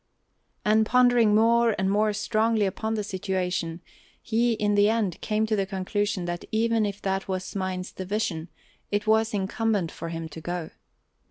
And pondering more and more strongly upon the situation he, in the end, came to the conclusion that even if that was Smain's division, it was incumbent for him to go.